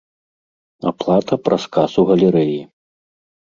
Аплата праз касу галерэі.